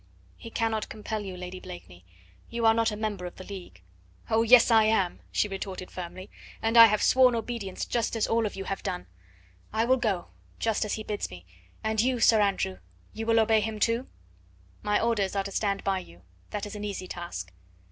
He cannot compel you, Lady Blakeney. You are not a member of the League." "Oh, yes, I am!" she retorted firmly; "and I have sworn obedience, just as all of you have done. I will go, just as he bids me, and you, Sir Andrew, you will obey him too?" "My orders are to stand by you. That is an easy task."